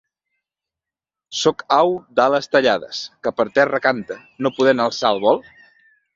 Soc au d'ales tallades que per terra canta no podent alçar el vol?